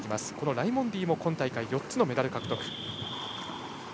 ライモンディも今大会４つのメダル獲得。